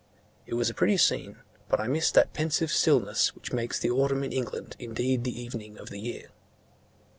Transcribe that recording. It was a pretty scene; but I missed that pensive stillness which makes the autumn in England indeed the evening of the year.